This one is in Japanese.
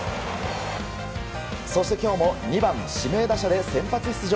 そして今日も２番指名打者で先発出場。